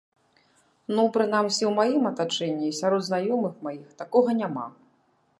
Ну, прынамсі, у маім атачэнні, сярод знаёмых маіх такога няма.